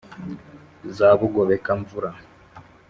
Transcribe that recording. za bugobeka-mvura,